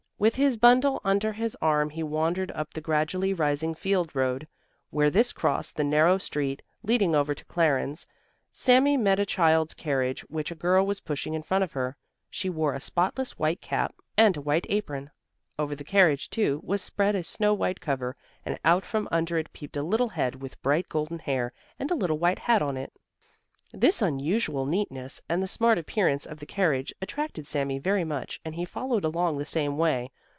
With his bundle under his arm he wandered up the gradually rising field road. Where this crossed the narrow street, leading over to Clarens, Sami met a child's carriage which a girl was pushing in front of her. She wore a spotless white cap and a white apron. Over the carriage, too, was spread a snow white cover, and out from under it peeped a little head with bright golden hair and a little white hat on it. This unusual neatness and the smart appearance of the carriage attracted Sami very much and he followed along the same way.